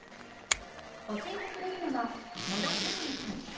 教えてくれるのは野田智也さん。